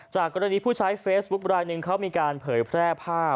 กรณีผู้ใช้เฟซบุ๊คไลนึงเขามีการเผยแพร่ภาพ